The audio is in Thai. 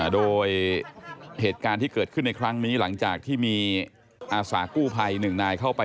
โดยเหตุการณ์ที่เกิดขึ้นในครั้งนี้หลังจากที่มีอาสากู้ภัยหนึ่งนายเข้าไป